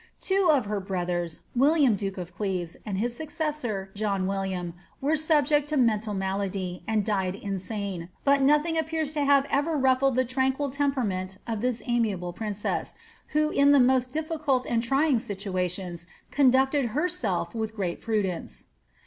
Two of her brothers, William duke of Cleves, and his successor, John Villiam, were subject to mental malady, and died insane, but nothing {^pears to have ever ruffled the tranquil temperament of this amiable iriocess, who in the most difficult and trying situations conducted lerself with great prudence.